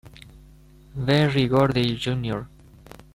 Berry Gordy Jr.